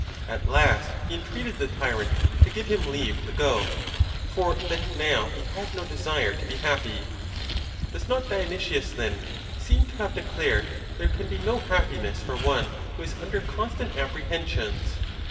At last he entreated the tyrant to give him leave to go, for that now he had no de sire to be happy.' Does not Dionysius, then, seem to have declared there can be no happiness for one who is under constant apprehensions?